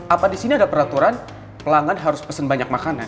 apa di sini ada peraturan pelanggan harus pesen banyak makanan